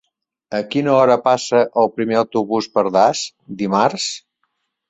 A quina hora passa el primer autobús per Das dimarts?